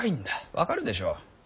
分かるでしょう。